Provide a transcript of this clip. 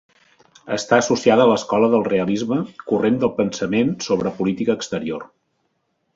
Està associada a l'escola del realisme, corrent de pensament sobre política exterior.